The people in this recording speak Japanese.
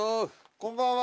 こんばんは。